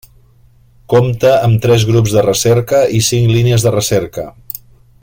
Compta amb tres grups de recerca i cinc línies de recerca.